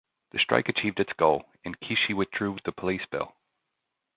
The strike achieved its goal, and Kishi withdrew the police bill.